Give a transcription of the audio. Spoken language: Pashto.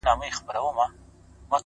وخت د ژمنو ازموینه کوي.!